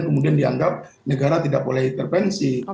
kemudian dianggap negara tidak boleh intervensi